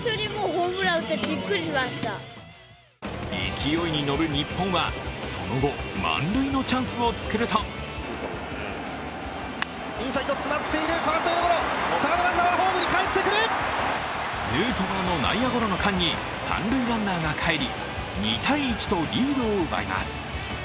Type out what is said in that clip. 勢いに乗る日本はその後、満塁のチャンスを作るとヌートバーの内野ゴロの間に三塁ランナーが帰り、２−１とリードを奪います。